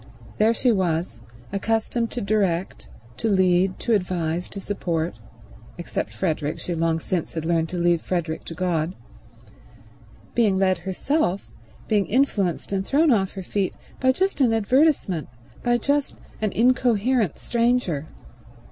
There she was, accustomed to direct, to lead, to advise, to support—except Frederick; she long since had learned to leave Frederick to God—being led herself, being influenced and thrown off her feet, by just an advertisement, by just an incoherent stranger.